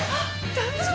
大丈夫？